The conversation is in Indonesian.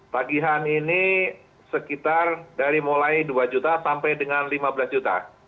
tagihan ini sekitar dari mulai dua juta sampai dengan lima belas juta